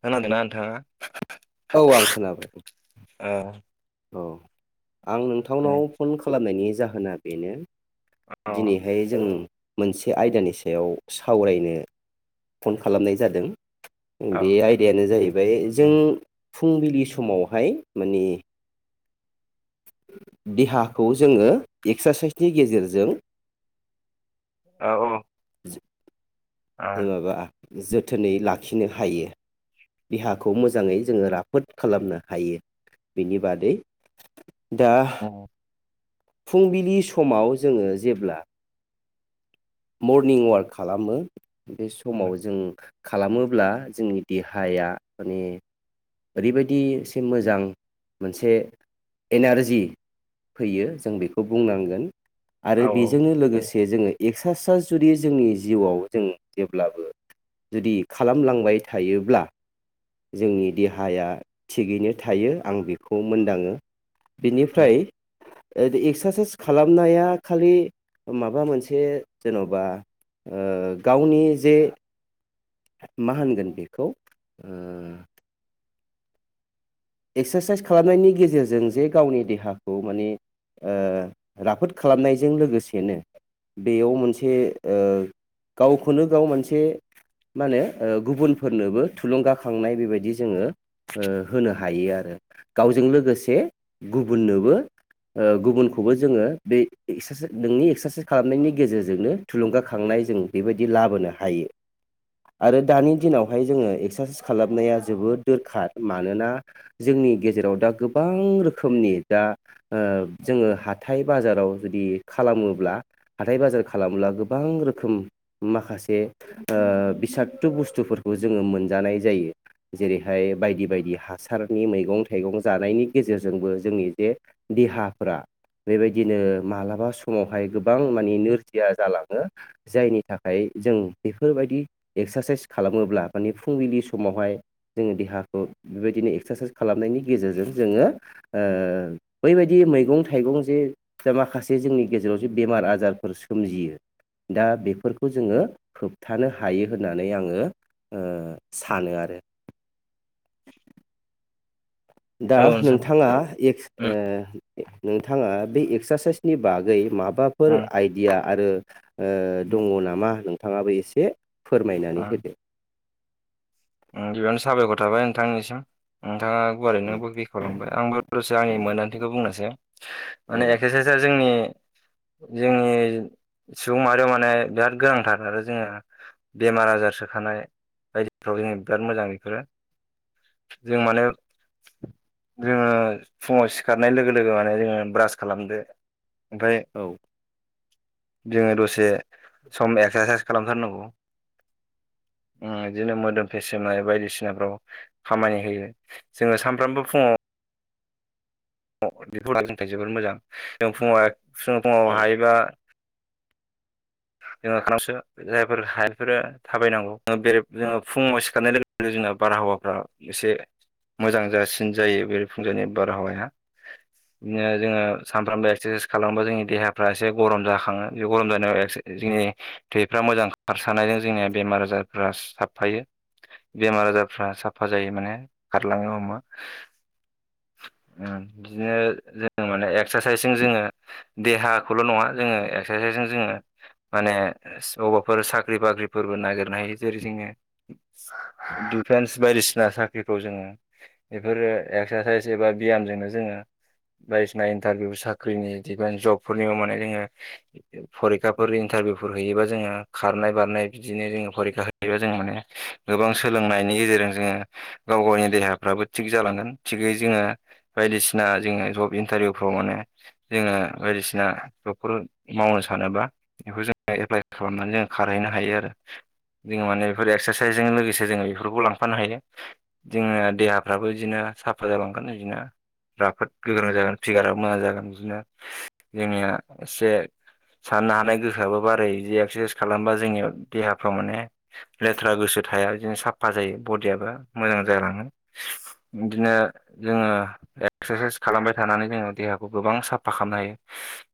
खोनादोंना नोंथाङा? औ आं खोनाबाय। ओ औ आं औ नोंथांनाव फन खालामनायनि जाहोना बेनो औ दिनैहाय जों मोनसे आयदानि सायाव सावरायनो फन खालामनाय जादों औ बे आयदायानो जाहैबाय जों फुंबिलि समावहाय माने देहाखौ जोङो एक्सारसाइसनि गेजेरजों औ औ ओ माबा जोथोनै लाखिनो हायो देहाखौ मोजाङै जोङो राफोद खालामनो हायो बिनि बादै दा फुंबिलि समाव जोङो जेब्ला मरनिं वार्क खालामो बे समाव जों खालामोब्ला जोंनि देहाया माने ओरैबायदि एसे मोजां मोनसे एनारजि फैयो जों बेखौ बुंनांगोन आरो औ बेजोंनो लोगोसे जोङो एक्स स्रासाइस जुदि जोंनि जिउआव जों जेब्लाबो जुदि खालामलांबाय थायोब्ला जोंनि देहाया थिगैनो थायो आं बेखौ मोनदाङो बिनिफ्राय एक्सारसाइस खालामनाया खालि माबा मोनसे जेन'बा ओ गावनि जे मा होनगोन बेखौ ओ एक्सारसाइस खालामनायनि गेजेरजों जे गावनि देहाखौ माने ओ राफोद खालामनायजों लोगोसेनो बेयाव मोनसे ओ गावखौनो गाव मोनसे मा होने गुबुनफोरनोबो थुलुंगाखांनाय बेबायदि जोङो ओ होनो हायो हायो आरो गावजों लोगोसे गुबुननोबो ओ गुबुनखौबो जोङो बे एक्ससा नोंनि एक्सारसाइस खालामनायनि गेजेरजोंनो थुलुंगाखांनाय जों बेबायदि लाबोनो हायो आरो दानि दिनावहाय जोङो एक्सारसाइस खालामनाया जोबोद दोरखार मानोना जोंनि गेजेराव दा गोबां रोखोमनि दा ओ जोङो हाथाय बाजाराव जुदि खालामोब्ला हाथाय बाजार खालामब्ला गोबां रोखोम माखासे ओ बिसाकतु बुस्थुफोर खौ जोङो मोनजानाय जायो जेरैहाय बायदि बायदि हा हासारनि मैगं थाइगं जानायनि गेजेरजोंबो जोंनि बे देहाफोरा बेबायदिनो मालाबा समावहाय गोबां माने नोरजिया जालाङो जायनि थाखाय जों बेफोरबायदि एक्सारसाइस खालामोब्ला माने फुंबिलि समावहाय जोङो देहाखौ बेबायदि बिदिनो एक्सारसाइस खालामनायनि गेजेरजों जोङो बैबायदि मैगं थाइगं जे दा माखासे जोंनि गेजेराव जे बेमार आजारफोर सोमजियो दा बेफोरखौ जोङो होबथानो हायो होननानै आंङो ओ सानो आरो [inaudible] दा औ नोंथां नोंथाङा एक्स नोंथाङा बे एक्सारसाइसनि बागै माबाफोर आइडिया आरो दंङ नामा नोंथाङाबो एसे फोरमायनानै होदो गिबियावनो साबायखर थाबाय नोंथांनिसिम नोंथाङा गुवारैनो बेखाववलांबाय आंबो'सो आंनि मोन्दांथिखौ बुंनोसै औ माने एक्सारसाइसआ जोंनि जोंनि सुबुं मारिआव माने बिराद गोनांथार आरो जोङो बेमार आजार सोखानाय बायदिफ्राव जोंनो बिराद मोजां बेफोरो। जों मानो जोङो फुङाव सिखारनाय लोगो लोगो माने जोङो ब्रास खालामदो। ओमफ्राय औ जोङो दसे सम एक्सारसाइस खालामथारनांगौ। [unintelligible] बिदिनो मोदोम फेसेमनाय बायदिसिनाफ्राव खामानि होयो जोङो सामफ्रोमबो फुङाव फुङाव बेफोर जोंनि थाखाय जोबोर मोजां जों फुङावहाय फुङाव औ हायोबा [unintelligible] जायफोर हायफोरो थाबायनांगौ जोङो बेरे जोङो फुङाव सिखारनाय लोगो लोगो जोंना बारहावाफ्रा एसे मोजां जासिन जायो बेरे फुंजानि बारहावाया। बिदिनो जोङो सामफ्रोमबो एक्सारसाइस खालामबा जोंनि देहाफ्रा एसे गरम जाखाङो बे गरम जानायाव एक्सा जोंनि थैफ्रा मोजां खारसारानायजों जोंनिया बेमार आजारफ्रा साबफायो। बेमार आजारफ्रा साफा जायो माने खारलांनो हमो। ओ बिदिनो जोङो माने एक्सारसाइसजों जोङो देहाखौल' नङा जोङो एक्सारसाइसजों जोङो माने अबाफोर साख्रि बाख्रिफोरबो नागिरनाय जेरै जोङो दु फेन्स बायदिसिना साख्रिखौ जोङो बेफोरो एक्सारसाइस एबा बेयामजोंनो जोङो बायदिसिना इन्टारभिउ साख्रिनि इदिबान जबफोरनिबो माने जोङो फरिखा फोर इन्टारभिउफोर हैयोबा जोङो खारनाय बारनाय बिदिनो जोङो फरिखा हैयोबा जों माने गोबां सोलों सोलोंनायनि गेजेरजों जोङो गाव गावनि देहाफ्राबो थिग जालांगोन थिगै जोङो बायदिसिना जोङो जब इन्टारभिउफ्राव माने जोङो बायदिसिना जबफोर मावनो सानोबा बेखौ जों एप्लाइ खालामनानै जों खारहैनो हायो आरो। जोङो माने बेफोर एक्सारसाइसजों लोगोसे जोङो बेफोरखौबो लांफानो हायो जोङो देहाफ्राबो बिदिनो साफा जालांगोन [unintelligible] राफोद गोख्रों जागोन फिगाराबो मोजां जागोन बिदिनो जोंनिया एसे साननो हानाय‌ गोहोआबो बारायो बिदि एक्सारसाइस खालामबा जोंनियाव देहाफ्राव माने लेथ्रा गोसो थाया। बिदिनो साबफा जायो बडियाबो मोजां जालाङो। बिदिनो जोङो एक्सारसाइस खालामबाय थानानै जोङो देहाखौ गोबां साबफा खामनो हायो।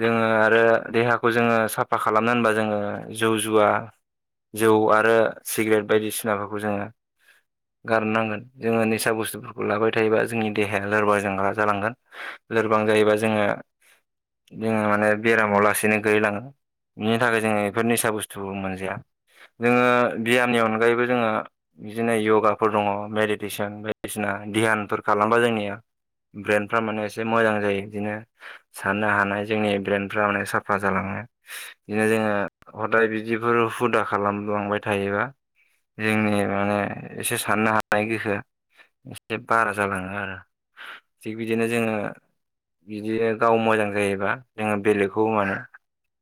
जोङो आरो देहाखौ जोङो साफा खालामनो होनबा जोङो जौ जुवा जौ आरो सिगरेट बायदिसिनाफोरखौ जोङो गारनो नांगोन जोङो निसा बुस्थुफोरखौ लाबाय थायोबा जोंनि देहाया लोरबां जेंगा जालांगोन। लोरबां जायोबा जोङो जोङो माने बेरामाव लासैनो गोलैलाङो। बिनि थाखाय जोङो बेफोर निसा बुस्थुबो मोनजाया। जोङो बेयामनि अनगायैबो जोङो बिदिनो य'गाफोर दङ मेडिटेसन बायदिसिना। ध्यानफोर खालामबा जोंनिया ब्रेन्डफ्रा माने एसे मोजां जायो बिदिनो साननो हानाय जोंनि ब्रेन्डफ्रा माने साफा जालाङो। बिदिनो जोङो हदाय बिदिफोर हुदा खालामलांबाय थायोबा जोंनि माने एसे साननो हानाय गोहोआ एसे बारा जालाङो आरो थिग बिदिनो जोङो बिदि गाव मोजां जायोबा जोङो बेलेगखौबो माने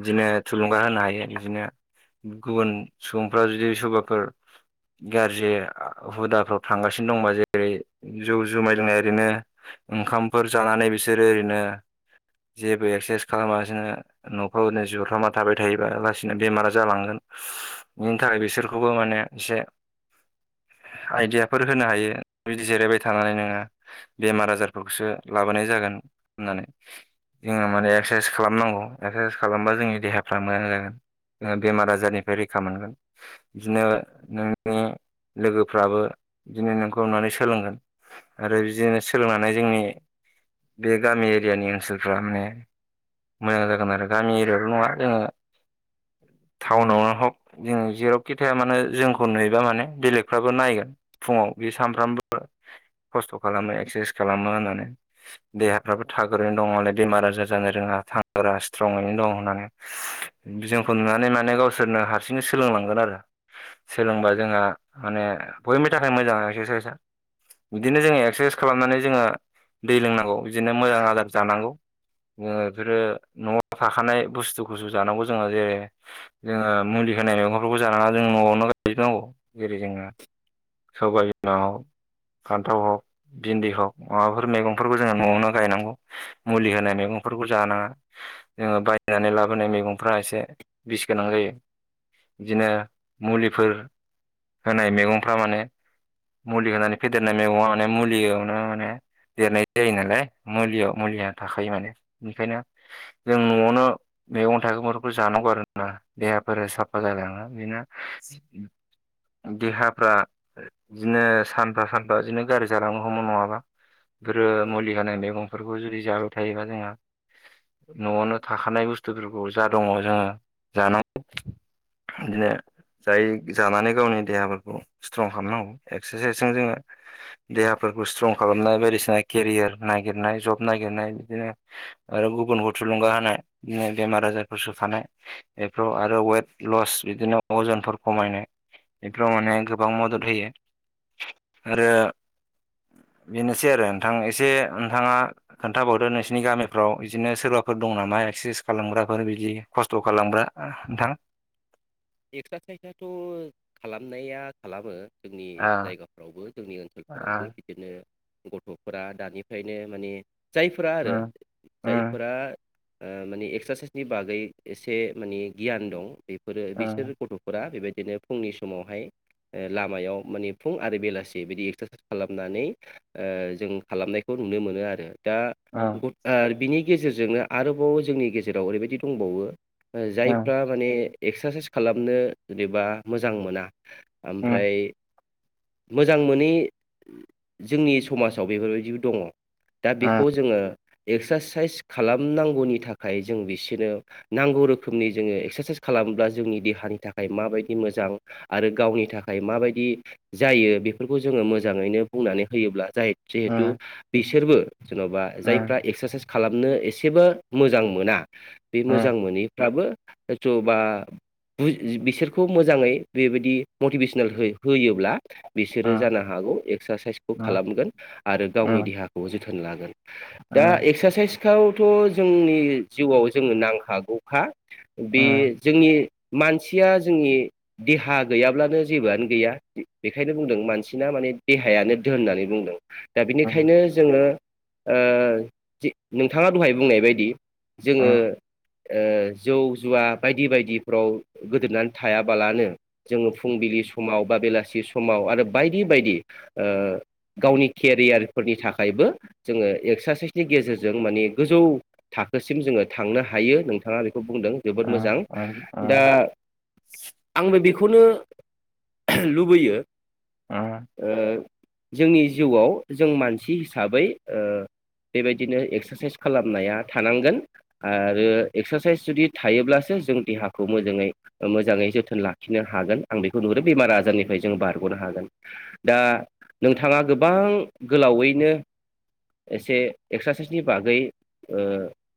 बिदिनो थुलुंगा होनो हायो बिदिनो गुबुन सुबुंफ्रा जुदि सोरबाफोर गाज्रि हुदाफ्राव थांगासिनो दंबा जेरै जौ जुमाय लोंनाय ओरैनो ओंखामफोर जानानै बिसोरो ओरैनो जेबो एक्सारसाइस खालामासिनो न [unintelligible] थाबाय थायोबा लासैनो बेमारा जालांगोन बेनि थाखाय बिसोरखौबो माने एसे [unintelligible] आइडियाफोर होनो हायो बिदि जिरायबाय थानानै नोङो बेमार आजारफोरखौसो लाबोनाय जागोन होननानै जोङो माने एक्सारसाइस खालामनांगौ एक्सारसाइस खालामबा जोंनि देहाफ्रा मोजां जागोन जोङो बेमार आजारनिफ्राय रैखा मोनगोन बिदिनो नोंनि लोगोफ्राबो बिदिनो नोंखौ नुनानै सोलोंगोन आरो बिदिनो सोलोंनानै जायो जोंनि बे गामि एरियानि ओनसोलफ्रा माने मोजां जागोन आरो गामि एरियाल' नङा जोङो [inaudible] टाउनावनो हक जों जेरावखि थाया मानोे जोंखौ नुयोबा माने बेलेगफ्राबो नायगोन फुङाव बे सामफ्रामबो खस्थ' खालामो एक्सारसाइस खालामो होननानै देहाफ्राबो थाग्रैनो दङलाय बेमार आजार जानो [unintelligible] स्ट्रङैनो दं होननानै जोंखौ नुनानै माने गावसोरनो हारसिंनो सोलोंलांगोन आरो सोलोंबा जोंहा माने बयनि थाखाय मोजां एक्ससाइसआ बिदिनो जोङो एक्सारसाइस खालामनानै जोङो दै लोंनांगौ बिदिनो मोजां आदार जानांगौ। [unintelligible] न' थाखानाय बुस्थुखौसो जानांगौ जोङो जेरै जोङो मुलि होनाय मैगंफोरखौ जानाङा जों न'आवनो [unintelligible] नांगौ जेरै जोङो सबाय बिमा फान्थाव हग भिन्दि हग माबाफोर मैगंफोरखौ जोङो न'आवनो गायनांगौ मुलि होनाय मैगं [unintelligible] जानाङा जोङो बायनानै लाबोनाय मैगंफ्रा एसे बिस गोनां जायो बिदिनो मुलिफोर होनाय मैगंफ्रा माने मुलि होनानै फेदेरनाय मैगङा मान मुलियावनो माने देरनाय जायो नालाय मुलियाव मुलिया थाखायो माने बेओनिखायनो जों न'आवनो मैगं थाइगंफोरखौ जानांगौ आरोना देहाफोरा साफा जालाय नङा बिनो देहाफ्रा बिदिनो सानफा सानफा बिदिनो गाज्रि जालांनो हमो नङाबा [unintelligible] औ मुलि होनाय मैगंफोरखौ जुदि जाबाय थायोबा जोंहा न'आवनो थाखानाय बुस्थुफोरखौ जा दङ जोङो जानांगौ [unintelligible] जाय जानानै गावनि देहाफोरखौ स्ट्रं खालामनांगौ एक्सारसाइसजों जोङो देहाफोरखौ खालामनाय बायदिसि केयारनाय जनाय बि आरो गुब थुलुंगा होनाय बिदिनो बेमार आजारफोर सोखानाय बेफ्राव आरो वेट लस बिदिनो अज खमायनाय बेफोराव माने गोबां मदद होयो आरो बेनोसै आरो नोंथां एसे नोंथाङा खोन्थाबावदो नोंसिनि गामिफ्राव बिदिनो सोरबा फोर दं नामा एक्सारसाइस खालामग्राफोर बिदि खस्थ' खालामग्रा नोंथां एक्सारसाइसआथ' खालामनाया खालामो जोंनि ओ जायगाफ्रावबो जोंनि ओनसोलफोरावबो बिदिनो गथ'फोरा दानिफ्रायनो माने जायफोरा आरो ओ उम जायफोरा ओ माने एक्सारसाइसनि बागै एसे माने गियान दं बेफोरो बेसे उम बिसोर गथ'फोरा बेबायदिनो फुंनि समावहाय ओ लामायाव माने फुं आरो बेलासि बिदि एक्सारसाइस खालामनानै जों खालामनायखौ नुनो मोनो आरो दा उम बिनि गेजेरजोंनो आरोबाव जोंनि गेजेराव ओरैबायदि दंबावो ओ उम जायफ्रा माने एक्सारसाइस खालामनो जेनेबा मोजां मोना उम ओमफ्राय मोजां मोनै जोंनि समाजाव बेफोरबायदिबो दङ दा उम बेखौ जोङो एक्सारसाइस खालामनांगौनि थाखाय जों बिसोरनो नांगौ रोखोमनि जोङो एक्सारसाइस खालामब्ला जोंनि देहानि थाखाय माबायदि मोजां आरो गावनि थाखाय माबायदि जायो बेफोरखौ जोङो मोजां मोजाङैनो बुंनानै होयोब्ला जिहेथु उम बिसोरबो जेन'बा जायफ्रा उम एक्सारसाइस खालामनो एसेबो मोजां मोना बे उम मोजां मोनैफ्राबो [unintelligible] [unintelligible] बिसोरखौ मोजाङै बेबायदि मटिभेसनेल होयोब्ला उम बिसोरो जानो हागौ एक्सारसाइसखौ उम उम खालामगोन आरो गावनि उम देहाखौ जोथोन लागोन। दा उम एक्सारसाइसखौथ' जोंनि जिउआव जोङो नांखागौखा। बे उम जोंनि। मानसिया जोंनि देहा गैयाब्लानो जेबोआनो गैया बेखायनो बुंदों मानसिना माने देहायानो दोन होननानै बुंदों। दा उम बिनिखायनो जोङो ओ नोंथाङा दहाय बुंनाय बायदि। उम जोङो ओ जौ जुवा बायदि बायदि। फ्राव गोदोनानै थायाबालानो जोङो फुंबिलि समाव बा बेलासि समाव आरो बायदि' बदि ओ गावनि केरियार फोरनि थाखायबो जोङो एक्सारसाइसनि गेजेरजों गोजौ थाखोसिम जो थांनो हायो नोंथां। खौ बुंदों जोबोद उम मोजां उम दा आंबो बि खौनो लुबैयो। जोंनि जिउआव जों मानसि हिसाबै। बेबायदिनो एक्सारसाइस खालामनाया थानांगोन आरो एक्सारसाइस जुदि थायोब्लासो जों देहाखौ। खौ मोजाङै मोजाङै जोथोन लाखिनो हागोन आं बेखौ नुहुरो बेमार आजारनिफ्राय जों बारग'नो हागोन। दा नोंथाङा गोबां गोलावैनो एसे एक्सारसाइसनि बागै ओ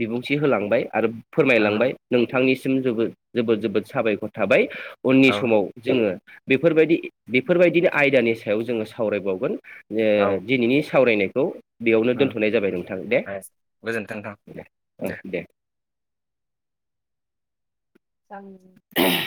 बिबुंथि होलांबाय आरो। फोरमायलांबाय उम नोंथांनिसिम जोबोद जोबोद जोबोद साबायखर थाबाय उननि समाव औ जोङो बेफोरबायदि बेफोरबायदिनो आयदानि सायाव जोङो सावरायबावगोन। औ दिनैनि सावरायनायखौ बेयावनो उम दोनथ'नाय जाबाय नोंथां दे गोजोनथों नोंथां दे औ दे। [unintelligible]